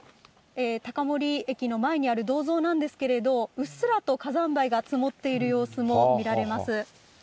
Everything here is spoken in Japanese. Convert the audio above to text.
高森駅の前にある銅像なんですけれど、うっすらと火山灰が積もっている様子も見られます。